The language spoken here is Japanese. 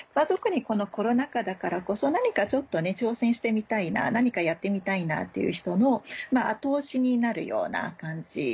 特にこのコロナ禍だからこそ何かちょっとね挑戦してみたいな何かやってみたいなという人の後押しになるような感じ